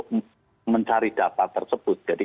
kalau tidak kita akan taruh tadi